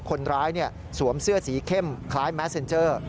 สวมเสื้อสีเข้มคล้ายแมสเซ็นเจอร์